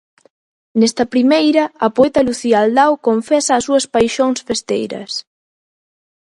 Nesta primeira, a poeta Lucía Aldao confesa as súas paixóns festeiras.